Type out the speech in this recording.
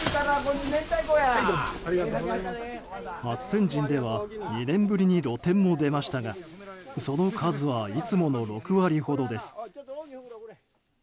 初天神では２年ぶりに露店も出ましたがその数はいつもの６割ほどです。